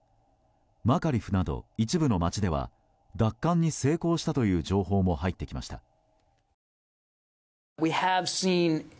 マカリフなど一部の街では奪還に成功したという情報も入ってきました。